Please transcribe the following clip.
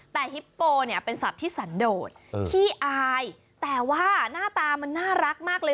แต่ฮิปโปเนี่ยเป็นสัตว์ที่สันโดดขี้อายแต่ว่าหน้าตามันน่ารักมากเลย